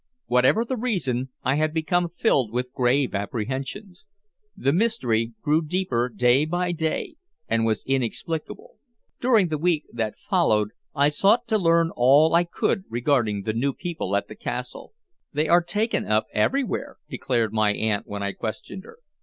Whatever the reason, I had become filled with grave apprehensions. The mystery grew deeper day by day, and was inexplicable. During the week that followed I sought to learn all I could regarding the new people at the castle. "They are taken up everywhere," declared my aunt when I questioned her.